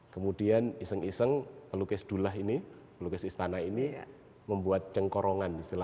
kemudian iseng iseng pelukis dullah ini pelukis istana ini membuat cengkorongan